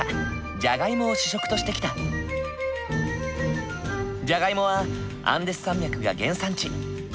じゃがいもはアンデス山脈が原産地。